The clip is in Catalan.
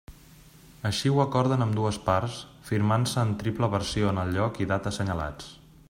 Així ho acorden ambdues parts, firmant-se en triple versió en el lloc i data assenyalats.